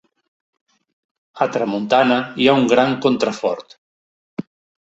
A tramuntana hi ha un gran contrafort.